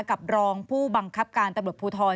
กับรองผู้บังคับการตำรวจภูทร